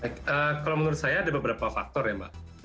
kalau menurut saya ada beberapa faktor ya mbak